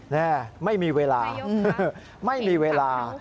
แม่ไม่มีเวลาไม่มีเวลา